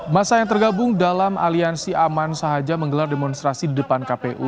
masa yang tergabung dalam aliansi aman saja menggelar demonstrasi di depan kpu